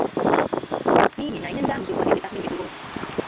n'ihi na ihe ndị ahụ sokwa eweta ihe mberede okporoụzọ